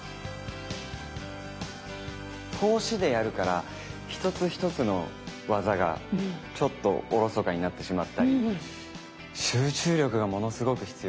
通しでやるから一つ一つの技がちょっとおろそかになってしまったり集中力がものすごく必要ですね。